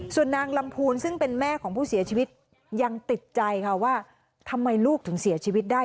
ส่วนนางลำพูนซึ่งเป็นแม่ของผู้เสียชีวิตยังติดใจค่ะว่าทำไมลูกถึงเสียชีวิตได้